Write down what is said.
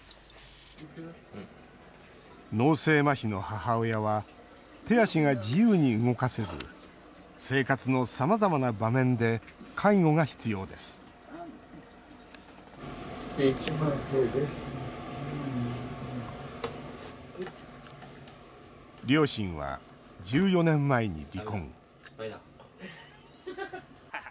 脳性まひの母親は手足が自由に動かせず生活のさまざまな場面で介護が必要です両親は、１４年前に離婚。